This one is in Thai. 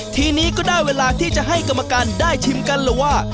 ทีนี้ก็ได้เวลาที่จะให้กรรมการได้ชิมกันแล้วว่า